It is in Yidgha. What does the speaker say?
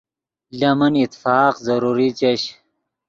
لے من اتفاق ضروری چش